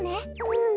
うん。